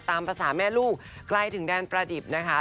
ตามภาษาแม่ลูกใกล้ถึงแดนประดิษฐ์นะคะ